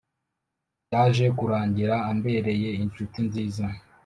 Byaje kurangira ambereye inshuti nziza